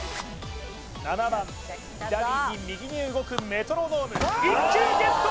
７番左に右に動くメトロノーム１球ＧＥＴ！